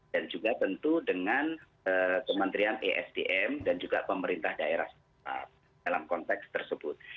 dan juga tentu dengan kementerian esdm dan juga pemerintah daerah dalam konteks tersebut